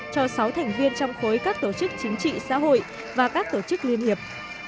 cho sáu thành viên trong khối các tổ chức chính trị xã hội và các tổ chức liên hiệp